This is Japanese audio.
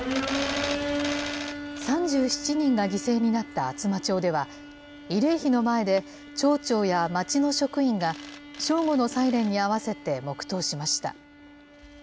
３７人が犠牲になった厚真町では、慰霊碑の前で、町長や町の職員が正午のサイレンに合わせて黙とうしました。